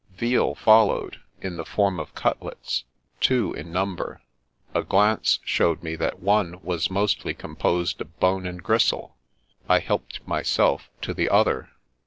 Veal followed, in the form of ratlets, two in number. A glance showed me that one was mostly composed of bone and gristle. I helped myself to the other.